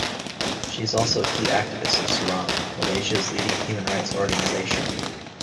She is also a key activist of Suaram, Malaysia's leading human rights organisation.